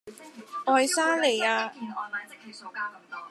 愛沙尼亞